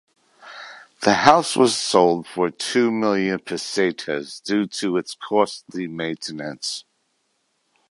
The house was sold for two million pesetas due to its costly maintenance.